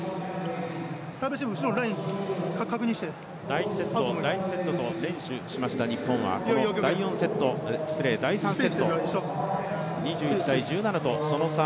第１セット、第２セットと連取しました日本はこの第３セット、２１−１７とその差